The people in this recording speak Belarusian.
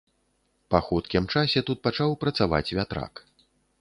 Па хуткім часе тут пачаў працаваць вятрак.